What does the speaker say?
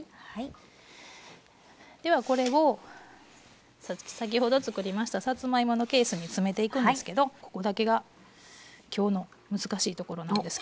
ではこれを先ほどつくりましたさつまいものケースに詰めていくんですけどここだけが今日の難しいところなんですけど。